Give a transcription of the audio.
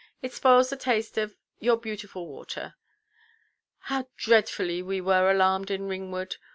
It spoils the taste of—your beautiful water. How dreadfully we were alarmed in Ringwood.